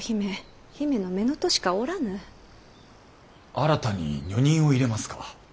新たに女人を入れますか？